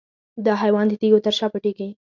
دا حیوان د تیږو تر شا پټیږي.